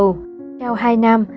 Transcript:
sau hai năm